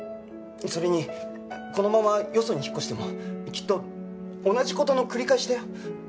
それにこのままよそに引っ越してもきっと同じ事の繰り返しだよ。